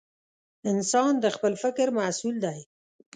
انسان د خپل فکر محصول دی.